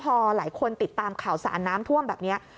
พอหลายคนติดตามข่าวสารน้ำท่วมแบบนี้